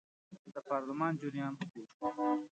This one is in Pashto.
د پارلمان جریان خپور شو.